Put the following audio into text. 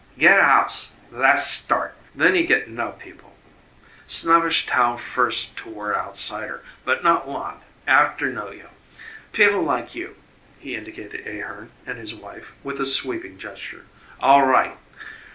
"Get house tha's start. Then you get know people. Snobbish town first toward outsider, but not long after know you. People like you" he indicated Ahearn and his wife with a sweeping gesture "all right.